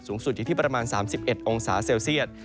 สูงสุดอยู่ที่ประมาณ๓๑องศาเซลเซียต